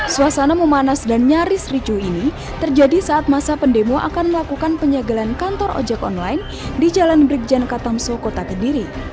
suasana memanas dan nyaris ricu ini terjadi saat masa pendemo akan melakukan penyegelan kantor ojek online di jalan brikjen katamso kota kediri